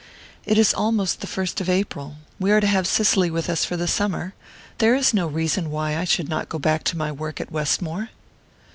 "It is almost the first of April. We are to have Cicely with us for the summer. There is no reason why I should not go back to my work at Westmore."